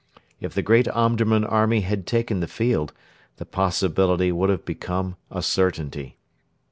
If the great Omdurman army had taken the field, the possibility would have become a certainty.